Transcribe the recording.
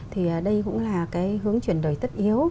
thì đây cũng là hướng chuyển đổi tất yếu